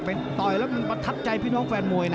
ต่อยแล้วมันประทับใจพี่น้องแฟนมวยนะ